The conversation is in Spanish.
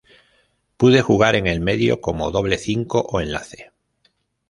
Puede jugar en el medio como doble cinco o enlace.